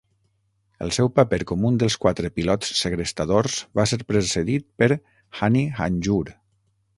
El seu paper com un dels quatre pilots segrestadors va ser precedit per Hani Hanjour.